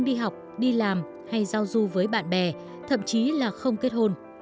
đi học đi làm hay giao du với bạn bè thậm chí là không kết hôn